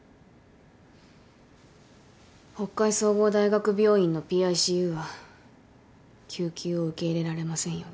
北海総合大学病院のＰＩＣＵは救急を受け入れられませんよね。